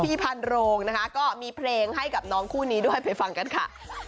พันโรงนะคะก็มีเพลงให้กับน้องคู่นี้ด้วยไปฟังกันค่ะ